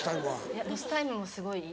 いやロスタイムもすごい。